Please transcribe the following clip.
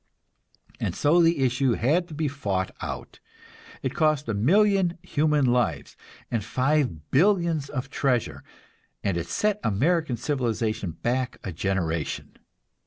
And so the issue had to be fought out. It cost a million human lives and five billions of treasure, and it set American civilization back a generation.